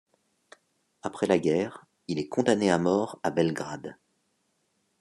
Après la guerre, il est condamné à mort à Belgrade.